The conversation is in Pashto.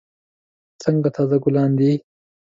څنګه تازه ګلان دي.